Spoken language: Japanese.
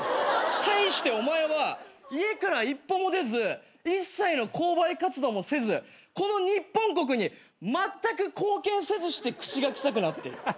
対してお前は家から一歩も出ず一切の購買活動もせずこの日本国にまったく貢献せずして口が臭くなっている。